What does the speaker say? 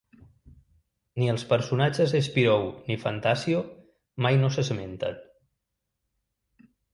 Ni els personatges Spirou ni Fantasio mai no s'esmenten.